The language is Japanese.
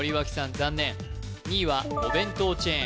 残念２位はお弁当チェーン